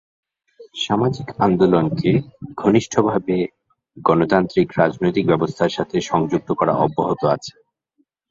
সামাজিক আন্দোলনকে ঘনিষ্ঠভাবে গণতান্ত্রিক রাজনৈতিক ব্যবস্থার সাথে সংযুক্ত করা অব্যাহত আছে।